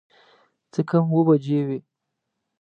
څه کم اووه بجې وې.